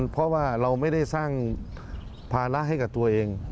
เพราะว่าเราไม่ได้สร้างภาระให้กับตัวเอง